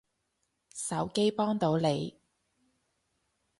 手機幫到你